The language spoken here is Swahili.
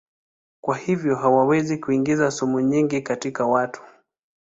Kwa hivyo hawawezi kuingiza sumu nyingi katika watu.